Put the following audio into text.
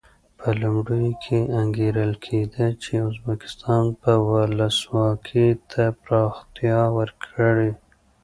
په لومړیو کې انګېرل کېده چې ازبکستان به ولسواکي ته پراختیا ورکړي.